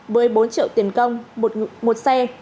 với bốn triệu tiền công một xe